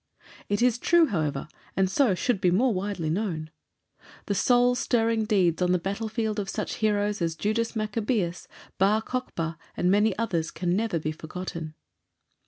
It is true, however, and so should be more widely known. The soul stirring deeds on the battlefield of such heroes as Judas Maccabæus, Bar Kochba, and many others can never be forgotten.